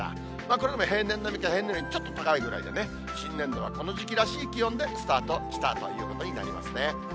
これでも平年並みか平年より、ちょっと高いぐらいでね、新年度はこの時期らしい気温でスタートしたということになりますね。